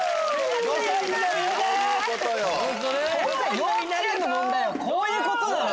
幼稚園の問題はこういうことなのよ！